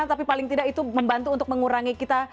tapi paling tidak itu membantu untuk mengurangi kita